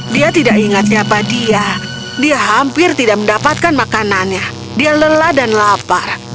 dia tidak ingat siapa dia dia hampir tidak mendapatkan makanannya dia lelah dan lapar